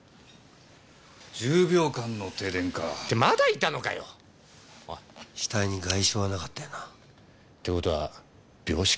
１０秒間の停電か。ってまだいたのかよっ⁉おい死体に外傷はなかったよな？ってことは病死か。